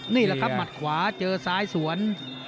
นี่แหละครับหมัดขวาเจอซ้ายสวน